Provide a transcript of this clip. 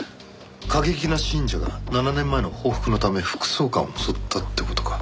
過激な信者が７年前の報復のため副総監を襲ったって事か。